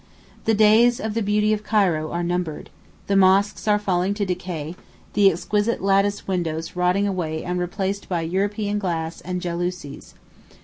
The days of the beauty of Cairo are numbered. The mosques are falling to decay, the exquisite lattice windows rotting away and replaced by European glass and jalousies.